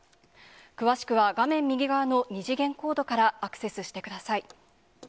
詳しくは画面右側の二次元コードからアクセスしてください。